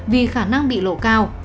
vì khả năng bị lộ cao